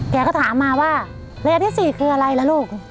แกก็ถามมาว่าระยะที่๔คืออะไรล่ะลูก